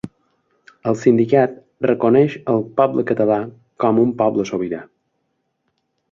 El sindicat reconeix el poble català com un poble sobirà.